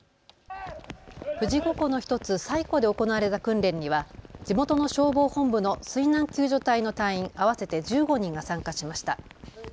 富士五湖の１つ、西湖で行われた訓練には地元の消防本部の水難救助隊の隊員合わせて１５人が参加しました。